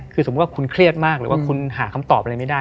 คือสมมุติว่าคุณเครียดมากหรือว่าคุณหาคำตอบอะไรไม่ได้